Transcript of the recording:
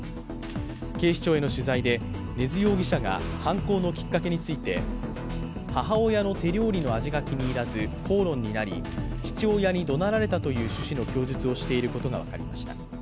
警視庁への取材で根津容疑者が犯行のきっかけについて母親の手料理の味が気に入らず口論になり父親にどなられたという趣旨の供述をしていることが分かりました。